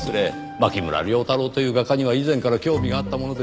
牧村遼太郎という画家には以前から興味があったものですからねぇ。